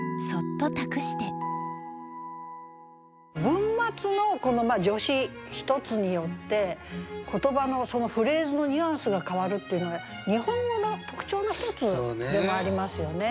文末の助詞１つによって言葉のそのフレーズのニュアンスが変わるっていうのは日本語の特徴の１つでもありますよね。